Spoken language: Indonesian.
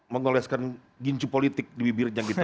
mengoleskan gincu politik di bibirnya gitu